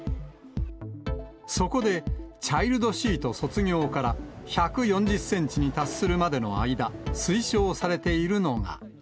そこで、チャイルドシート卒業から１４０センチに達するまでの間、推奨されているのが。